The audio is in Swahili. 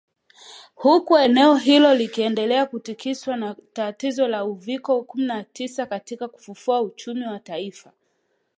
Huku eneo hilo likiendelea kutikiswa na tatizo la uviko kumi na tisa katika kufufua uchumi wa taifa